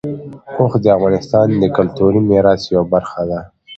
اوښ د افغانستان د کلتوري میراث یوه برخه ده.